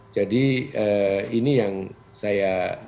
jadi ini yang saya